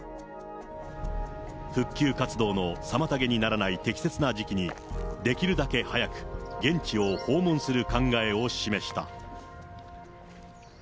復旧活動の妨げにならない適切な時期に、できるだけ早く現地を訪問する考えを示した。